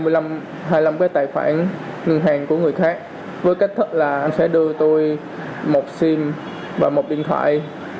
tôi đã đăng ký tài khoản ngân hàng của người khác với cách thật là sẽ đưa tôi một sim và một điện thoại